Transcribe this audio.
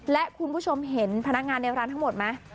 และคุณผู้ชมเห็นพนักงานในร้านทั้งหมดไหม